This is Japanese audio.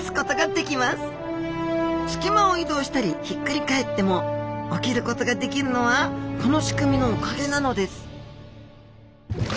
すき間を移動したりひっくり返っても起きることができるのはこの仕組みのおかげなのです